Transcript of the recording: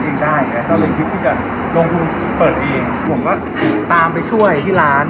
ผมก็ตามไปช่วยที่ร้าน